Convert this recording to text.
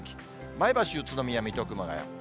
前橋、宇都宮、水戸、熊谷。